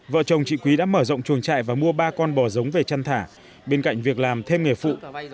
vợ chồng chị quý đã mở rộng chuồng trại và mua ba con bò giống về chăn thả bên cạnh việc làm thêm nghề phụ